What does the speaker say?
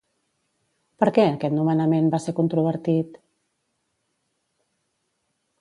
Per què aquest nomenament va ser controvertit?